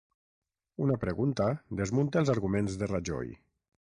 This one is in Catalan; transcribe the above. Una pregunta desmunta els arguments de Rajoy